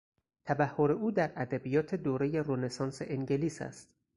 تبحر او در ادبیات دورهی رنسانس انگلیس است.